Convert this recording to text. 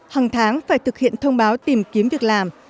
hàng tháng phải thực hiện thông báo tìm kiếm việc làm